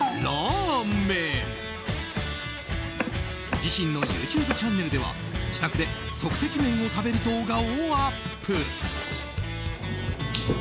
自身のＹｏｕＴｕｂｅチャンネルでは自宅で即席麺を食べる動画をアップ。